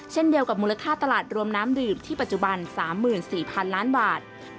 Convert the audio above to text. เช่นเดียวกับมูลค่าตลาดรวมน้ำดื่มที่ปัจจุบัน๓๔๐๐๐ล้านบาท